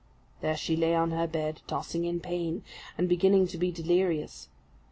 There she lay on her bed, tossing in pain, and beginning to be delirious.